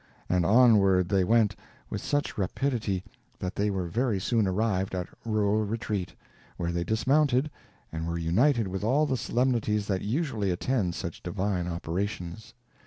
And onward they went, with such rapidity that they very soon arrived at Rural Retreat, where they dismounted, and were united with all the solemnities that usually attend such divine operations.